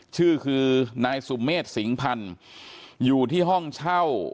ชื่อคือนายสุเมษสิงพันธุ์อยู่ที่ห้องเช่า